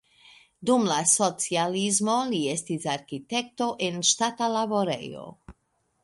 Dum la socialismo li estis arkitekto en ŝtata laborejo.